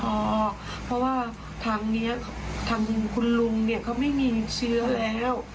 เพราะว่าทางนี้ทางคุณลุงเนี่ยเขาไม่มีเชื้อแล้ว